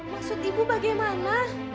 maksud ibu bagaimana